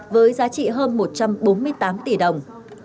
với giá trị hơn một trăm bốn mươi tám tỷ đồng